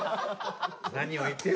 何を言ってるんだ。